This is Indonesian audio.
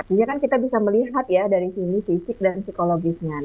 ini kan kita bisa melihat ya dari sini fisik dan psikologisnya